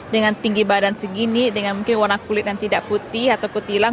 dengan tinggi badan segini dengan mungkin warna kulit yang tidak putih atau kutilang